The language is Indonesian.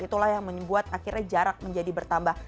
itulah yang membuat akhirnya jarak menjadi bertambah